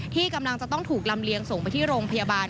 ที่กำลังจะต้องถูกลำเลียงส่งไปที่โรงพยาบาล